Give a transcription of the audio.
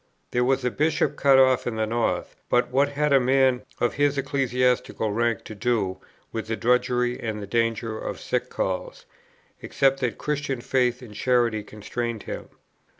There was a bishop cut off in the North; but what had a man of his ecclesiastical rank to do with the drudgery and danger of sick calls, except that Christian faith and charity constrained him?